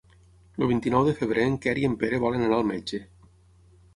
El vint-i-nou de febrer en Quer i en Pere volen anar al metge.